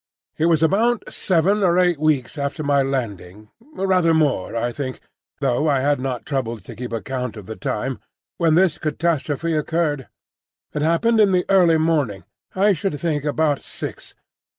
It was about seven or eight weeks after my landing,—rather more, I think, though I had not troubled to keep account of the time,—when this catastrophe occurred. It happened in the early morning—I should think about six.